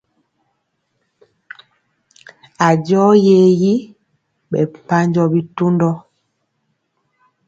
A jɔ ye yi ɓɛ mpanjɔ bitundɔ.